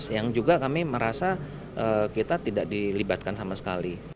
yang juga kami merasa kita tidak dilibatkan sama sekali